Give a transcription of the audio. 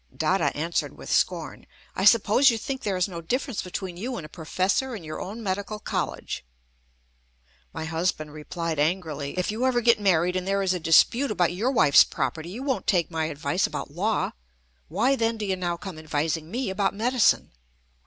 Dada answered with scorn: "I suppose you think there is no difference between you and a Professor in your own Medical College." My husband replied angrily: "If you ever get married, and there is a dispute about your wife's property, you won't take my advice about Law. Why, then, do you now come advising me about Medicine?"